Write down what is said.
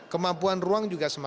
kemampuan ruang juga sempat